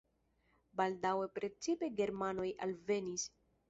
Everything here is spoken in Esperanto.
Baldaŭe precipe germanoj alvenis.